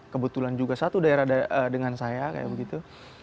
kebetulan juga satu daerah dengan saya kayak begitu